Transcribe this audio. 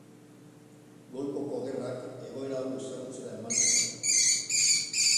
Golkoko Gerrak egoera hau ezagutzera eman zuen.